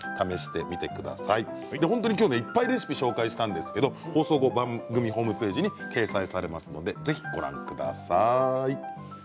いっぱいレシピを紹介しましたが放送後、番組ホームページに掲載されますのでぜひご覧ください。